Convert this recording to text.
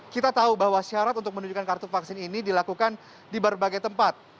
kita tahu bahwa syarat untuk menunjukkan kartu vaksin ini dilakukan di berbagai tempat